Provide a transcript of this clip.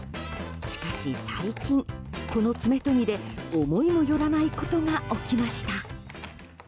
しかし最近、この爪研ぎで思いもよらないことが起きました。